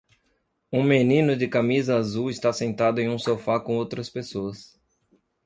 Um menino de camisa azul está sentado em um sofá com outras pessoas.